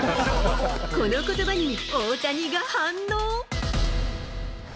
このことばに、大谷が反応。